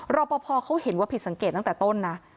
รอปภเขาเห็นว่าผิดสังเกตตั้งแต่ต้นนะ